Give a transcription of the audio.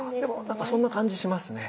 何かそんな感じしますね。